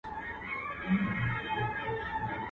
o په خندا پسې ژړا سته.